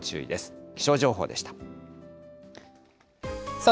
さあ、